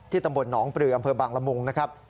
ตำบลหนองปลืออำเภอบางละมุงนะครับ